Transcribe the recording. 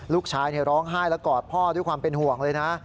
ลูกชายร้องไห้และกอดพ่อด้วยความเป็นห่วงเลยนะ